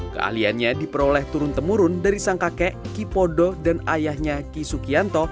kealiannya diperoleh turun temurun dari sang kakek kipodo dan ayahnya kisukianto